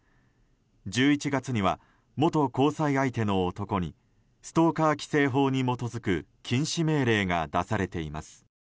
１１月には元交際相手の男にストーカー規制法に基づく禁止命令が出されています。